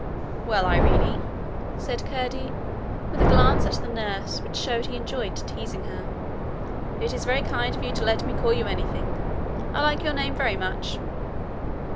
'Well, Irene,' said Curdie, with a glance at the nurse which showed he enjoyed teasing her; 'it is very kind of you to let me call you anything. I like your name very much.'